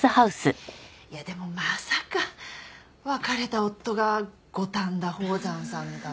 いやでもまさか別れた夫が五反田宝山さんだなんてね。